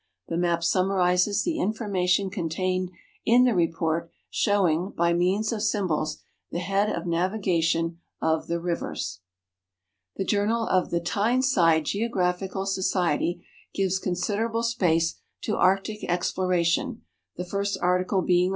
The map summarizes the information contained in the report, showing, by means of symbols, the head of navigation of the rivers. NATIONAL GEOGRAPHIC SOCIETY 63 The Journal of the Tijneside (leocjmphical Socieli/ prives considerable spare to Arctic exploration, the first article beinj?